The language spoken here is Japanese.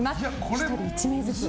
１人１名ずつ。